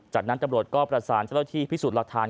จากนั้นตำรวจก็ประสานเจ้าหน้าที่พิสูจน์หลักฐาน